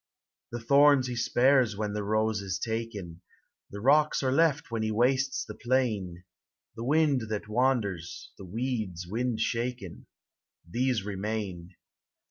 The thorns he spares when the rose is taken ; The rocks are left when he wastes the plain. The wind that wanders, the weeds wind shaken, These remain.